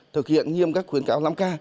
thực hiện nhiệm các khuyến cáo năm k